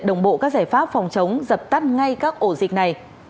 đồng bộ các giải pháp phòng chống dập tắt ngay các ổ dịch này